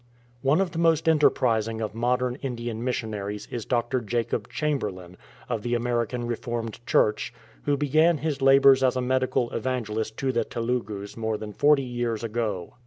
One of the most enterprising of modern Indian missionaries is Dr. Jacob Chamberlain, of the American Reformed Church, who began his labours as a medical evangelist to the Telugus more than forty years ago.